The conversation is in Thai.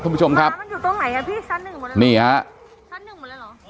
คุณผู้ชมครับมันอยู่ตรงไหนอ่ะพี่ชั้นหนึ่งหมดเลยนี่ฮะชั้นหนึ่งหมดเลยเหรอ